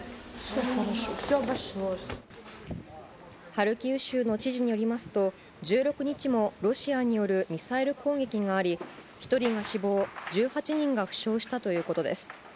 ハルキウ州の知事によりますと、１６日もロシアによるミサイル攻撃があり、１人が死亡、１８人が負傷したということです。